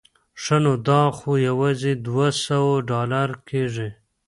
ښه نو دا خو یوازې دوه سوه ډالره کېږي.